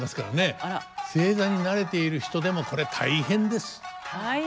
正座に慣れている人でもこれ大変です。